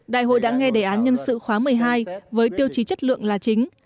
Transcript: đại hội đã nghe đề án nhân sự khóa một mươi hai với tiêu chí chất lượng là chính